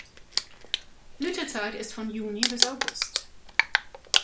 Blütezeit ist von Juni bis August.